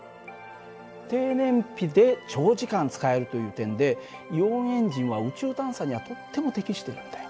低燃費で長時間使えるという点でイオンエンジンは宇宙探査にはとっても適してるんだよ。